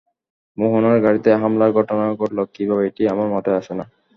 মোহনার গাড়িতে হামলার ঘটনা ঘটল কীভাবে এটি আমার মাথায় আসে না।